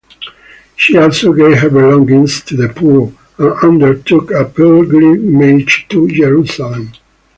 She also gave her belongings to the poor and undertook a pilgrimage to Jerusalem.